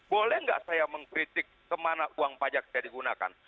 boleh nggak saya mengkritik kemana uang pajak saya digunakan